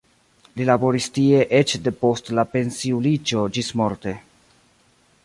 Li laboris tie eĉ depost la pensiuliĝo ĝismorte.